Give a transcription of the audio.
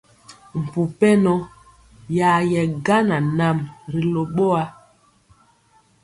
Mpu pɛnɔ ya yɛ gan anam ri lo ɓowa.